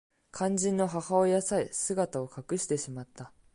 肝心の母親さえ姿を隠してしまった